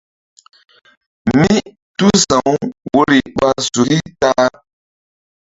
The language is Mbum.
Mítúsa̧w woyri ɓa suki ta-a.